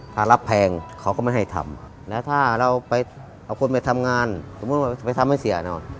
ถ้ารับแพงเขาก็ไม่ให้ทำแล้วถ้าเราไปเอาคนไปทำงานสมมุติว่าไปทำให้เสียเนี่ย